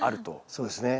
そうですね。